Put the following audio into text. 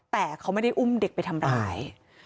แต่เขาไม่ได้อุ้มเด็กไปทำร้าย